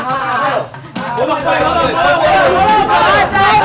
ya allah bangga bangga